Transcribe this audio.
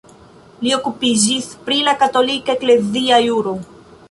Li okupiĝis pri la katolika eklezia juro.